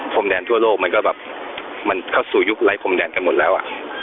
พรมแดนทั่วโลกมันก็แบบมันเข้าสู่ยุคไร้พรมแดนกันหมดแล้วอ่ะ